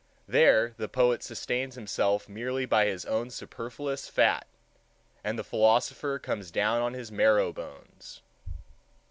There the poet sustains himself merely by his own superfluous fat, and the philosopher comes down on his marrow bones.